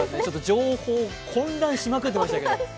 情報、混乱しまくってましたけど。